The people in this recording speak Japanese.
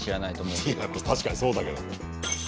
いや確かにそうだけど。